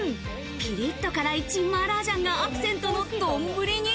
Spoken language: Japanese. ピリッと辛いチンマーラージャンがアクセントの丼に。